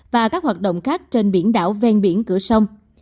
và các hoạt động khác trên biển đảo ven biển cửa sông